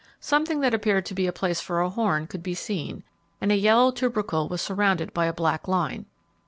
Something that appeared to be a place for a horn could be seen, and a yellow tubercle was surrounded by a black line.